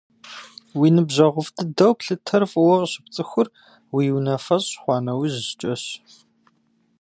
Уи ныбжьэгъуфӀ дыдэу плъытэр фӀыуэ къыщыпцӀыхур уи унафэщӀ хъуа нэужькӀэщ.